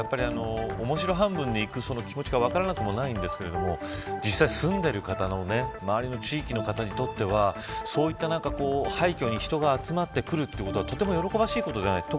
面白半分で行く気持ちが分からなくもないんですが実際、住んでいる方の周りの地域の方にとってはそういった廃墟に人が集まってくるということは喜ばしいことではない。